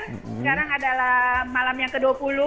sekarang adalah malam yang ke dua puluh